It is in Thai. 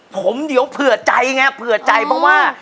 ผมเดี๋ยวเผื่อใจไงเผื่อใจเพราะว่า